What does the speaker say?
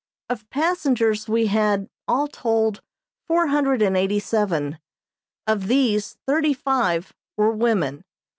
Of passengers we had, all told, four hundred and eighty seven. Of these thirty five were women.